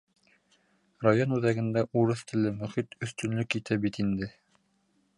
Район үҙәгендә урыҫ телле мөхит өҫтөнлөк итә бит инде.